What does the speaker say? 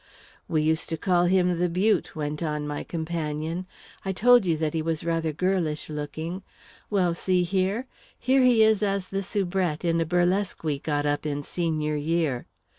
"We used to call him 'The Beaut.'," went on my companion. "I told you that he was rather girlish looking. Well, see here here he is as the soubrette, in a burlesque we got up in senior year."